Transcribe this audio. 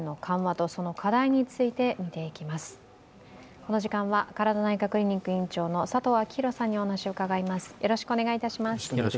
この時間は、ＫＡＲＡＤＡ内科クリニック院長の佐藤昭裕さんにお話を伺います。